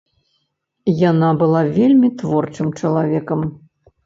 Яна была вельмі творчым чалавекам.